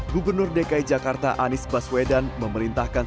gubernur dki jakarta anies baswedan memerintahkan